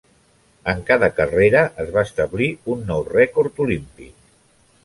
En cada carrera es va establir un nou rècord olímpic.